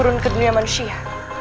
turun ke dunia manusia